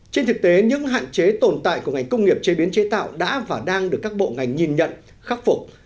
trên thực tế những hạn chế tồn tại của ngành công nghiệp chế biến chế tạo đã và đang được các bộ ngành nhìn nhận khắc phục